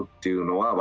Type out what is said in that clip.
はい。